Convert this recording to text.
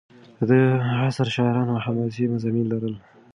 د ده د عصر شاعرانو حماسي مضامین لرل.